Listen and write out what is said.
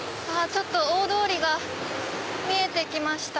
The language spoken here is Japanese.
ちょっと大通りが見えて来ました。